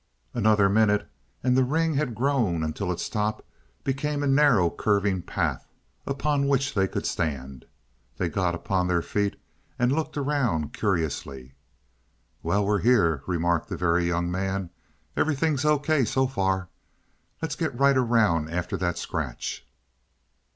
Another minute and the ring had grown until its top became a narrow curving path upon which they could stand. They got upon their feet and looked around curiously. "Well, we're here," remarked the Very Young Man. "Everything's O.K. so far. Let's get right around after that scratch."